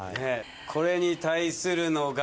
これに対するのが。